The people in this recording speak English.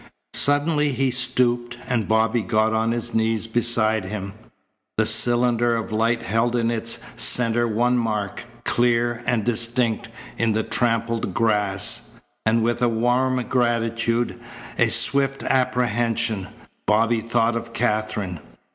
Suddenly he stooped, and Bobby got on his knees beside him. The cylinder of light held in its centre one mark, clear and distinct in the trampled grass, and with a warm gratitude, a swift apprehension, Bobby thought of Katherine.